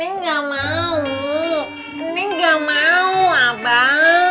neng gak mau neng gak mau abang